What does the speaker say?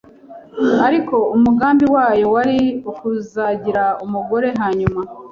ariko umugambi wayo wari ukuzangira umugore hanyuma.